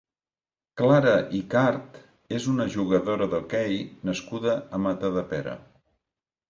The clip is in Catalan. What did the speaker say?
Clara Ycart és una jugadora d'hoquei nascuda a Matadepera.